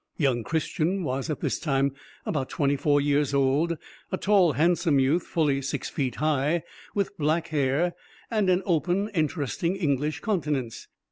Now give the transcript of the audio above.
Young Christian was at this time about twenty four years old, a tall handsome youth, fully six feet high, with black hair, and an open interesting English countenance.